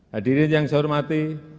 hadirin yang saya hormati